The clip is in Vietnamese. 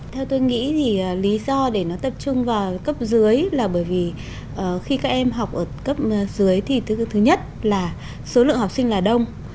theo tôi nghĩ thì lý do để nó tập trung vào cấp dưới là bởi vì khi các em học ở cấp dưới thì thứ nhất là số lượng học sinh là đông